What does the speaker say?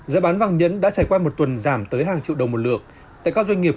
giá bán vàng nhẫn đã trải qua một tuần giảm tới hàng triệu đồng một lượng tại các doanh nghiệp